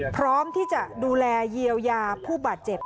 พร้อมที่จะดูแลเยียวยาผู้บาดเจ็บ